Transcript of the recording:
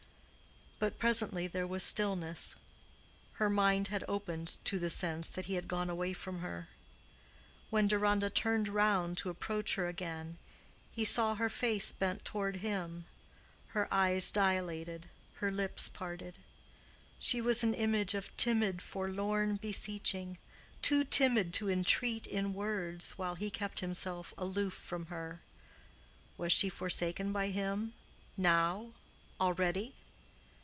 But presently there was stillness. Her mind had opened to the sense that he had gone away from her. When Deronda turned round to approach her again, he saw her face bent toward him, her eyes dilated, her lips parted. She was an image of timid forlorn beseeching—too timid to entreat in words while he kept himself aloof from her. Was she forsaken by him—now—already?